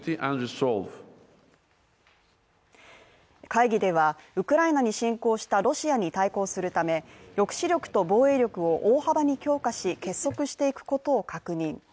会議ではウクライナに侵攻したロシアに対抗するため抑止力と防衛力を大幅に強化し結束していくことを確認。